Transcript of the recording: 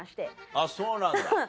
あっそうなんだ。